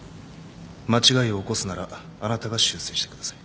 間違いを起こすならあなたが修正してください